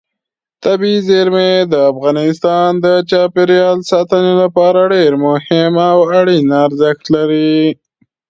طبیعي زیرمې د افغانستان د چاپیریال ساتنې لپاره ډېر مهم او اړین ارزښت لري.